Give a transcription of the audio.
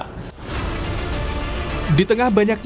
di tengah banyaknya kritikan soal anggota tni polri bisa isi jualan